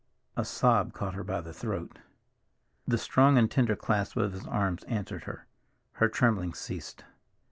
A sob caught her by the throat. The strong and tender clasp of his arms answered her—her trembling ceased.